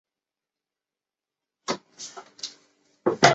次年被任命为果芒经院堪布。